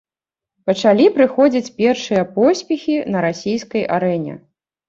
Пачалі прыходзіць першыя поспехі на расійскай арэне.